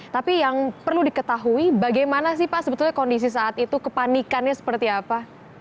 tapi yang perlu diketahui bagaimana sih pak sebetulnya kondisi saat itu kepanikannya seperti apa